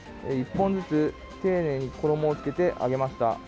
１本ずつ丁寧に衣をつけて揚げました。